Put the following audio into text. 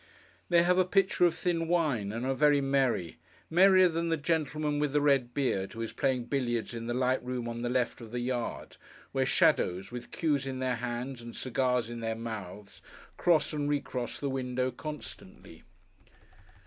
They have a pitcher of thin wine, and are very merry; merrier than the gentleman with the red beard, who is playing billiards in the light room on the left of the yard, where shadows, with cues in their hands, and cigars in their mouths, cross and recross the window, constantly.